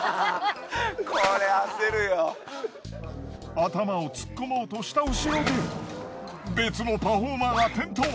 頭を突っ込もうとした後ろで別のパフォーマーが転倒。